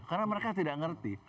karena mereka tidak ngerti